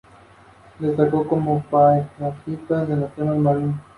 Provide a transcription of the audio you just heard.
Así fue como inició el servicio de Transportes Norte de Sonora.